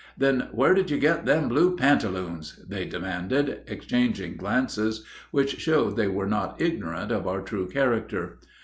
"Then where did you get them blue pantaloons?" they demanded, exchanging glances, which showed they were not ignorant of our true character.